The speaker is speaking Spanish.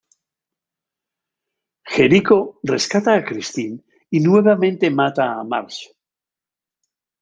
Jericho rescata a Christine y nuevamente mata a Marge.